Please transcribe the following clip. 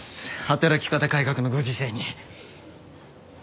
働き方改革のご時世に。